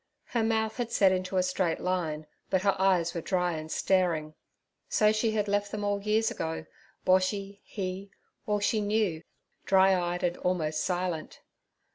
Her mouth had set into a straight line, but her eyes were dry and staring. So she had left them all years ago—Boshy, he, all she knew—dry eyed and almost silent.